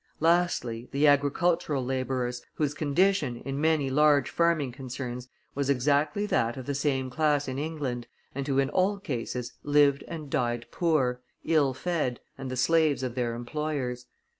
Lastly, the agricultural laborers, whose condition, in many large farming concerns, was exactly that of the same class in England, and who in all cases lived and died poor, ill fed, and the slaves of their employers.